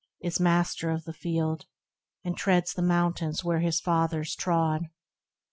is master of the field, And treads the mountains which his Fathers trod.